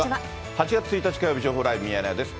８月１日火曜日、情報ライブミヤネ屋です。